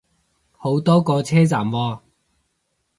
好多個車站喎